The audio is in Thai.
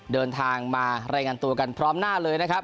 เดินทางมาไร่กันตัวกันพร้อมหน้าเลย